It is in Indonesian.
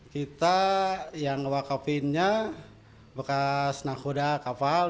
kita yang wakafinnya bekas nahkoda kapal